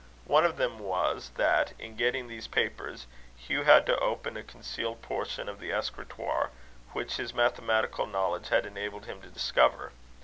One of them was, that in getting these papers, Hugh had to open a concealed portion of the escritoire, which his mathematical knowledge had enabled him to discover.